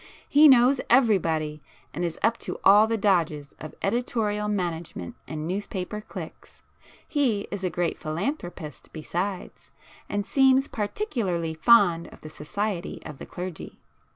He knows everybody, and is up to all the dodges of editorial management and newspaper cliques. He is a great philanthropist besides,—and seems particularly fond of the society of the clergy.